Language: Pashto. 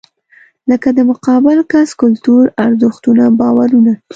لکه د مقابل کس کلتور، ارزښتونه، باورونه .